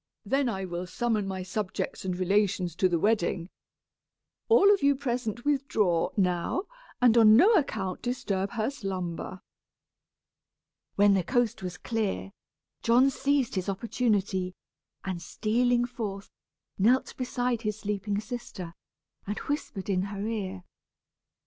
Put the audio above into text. "Then I will summon my subjects and relations to the wedding. All of you present withdraw, now, and on no account disturb her slumber." When the coast was clear, John seized his opportunity, and stealing forth, knelt beside his sleeping sister, and whispered in her ear.